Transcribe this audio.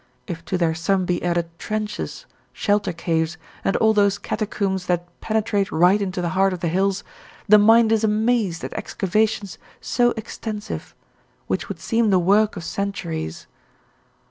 If to their sum be added trenches, shelter caves, and all those catacombs that penetrate right into the heart of the hills, the mind is amazed at excavations so extensive, which would seem the work of centuries.